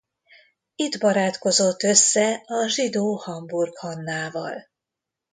Itt barátkozott össze a zsidó Hamburg Hannával.